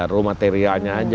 rumah teriaknya saja